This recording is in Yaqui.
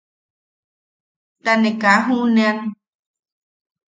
Ta ne kaa juʼunean.